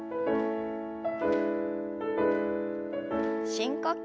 深呼吸。